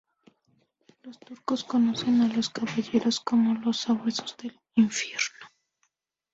Los turcos conocen a los Caballeros como "los sabuesos del infierno".